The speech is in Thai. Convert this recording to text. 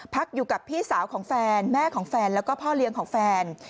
พักอยู่กับพี่สาวของแฟนแม่ของแฟนแล้วก็พ่อเลี้ยงของแฟน